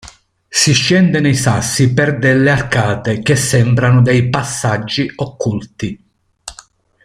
Si scende nei Sassi per delle arcate, che sembrano dei passaggi occulti.